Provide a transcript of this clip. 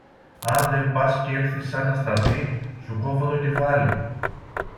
Αν δεν πας κι έλθεις σαν αστραπή, σου κόβω το κεφάλι!